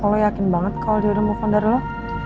kok lo yakin banget ya kalau dia udah mau kontar lu